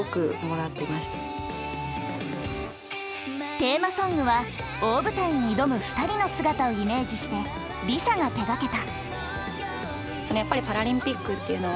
テーマソングは大舞台に挑む２人の姿をイメージしてＬｉＳＡが手がけた。